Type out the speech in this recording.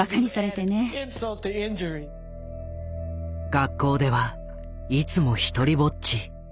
学校ではいつも独りぼっち。